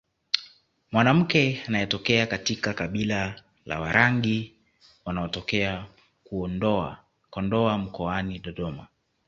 Mwanamke anayetokea katika kabila la Warangi wanaotokea Kondoa mkoani Dodoma